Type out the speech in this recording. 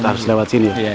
harus lewat sini